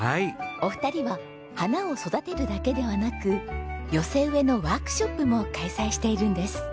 お二人は花を育てるだけではなく寄せ植えのワークショップも開催しているんです。